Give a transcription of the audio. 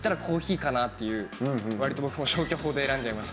割と僕も消去法で選んじゃいましたね。